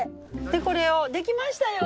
でこれをできましたよ